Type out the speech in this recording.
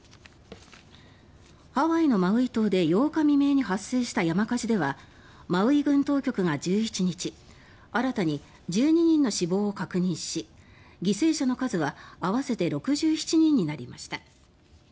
ハワイのマウイ島で８日未明に発生した山火事ではマウイ郡当局が１１日新たに１２人の死亡を確認し犠牲者の数は合わせて６７人になりました。